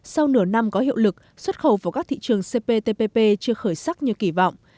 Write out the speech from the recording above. sau nửa năm có hiệu lực xuất khẩu vào các thị trường cptpp chưa khởi sắc như kỳ vọng